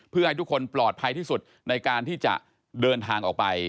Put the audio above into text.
เพื่อให้ทุกคนปลอดภัยที่สุดในการที่จะเดินทางออกไป